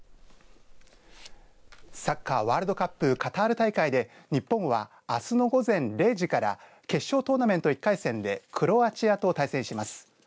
サッカーワールドカップカタール大会で日本はあすの午前０時から決勝トーナメント１回戦でクロアチアと対戦します。